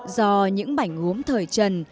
do những mảnh gốm thời trần